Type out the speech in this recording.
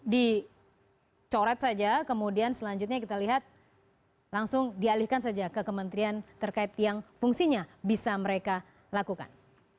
dicoret saja kemudian selanjutnya kita lihat langsung dialihkan saja ke kementerian terkait yang fungsinya bisa mereka lakukan